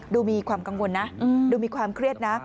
ดูมีความกังวลนะดูมีความเครียดนะ